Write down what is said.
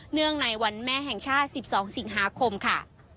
ในวันแม่แห่งชาติ๑๒สิงหาคมค่ะ